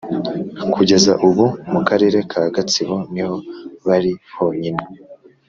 Kugeza ubu, mu Karere ka Gatsibo niho bari honyine